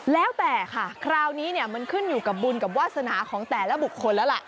แล้วแต่ค่ะคราวนี้เนี่ยมันขึ้นอยู่กับบุญกับวาสนาของแต่ละบุคคลแล้วล่ะ